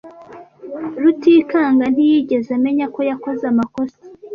Rutikanga ntiyigeze amenya ko yakoze amakosa.